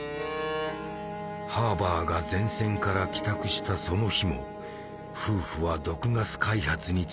ハーバーが前線から帰宅したその日も夫婦は「毒ガス開発」について言い争った。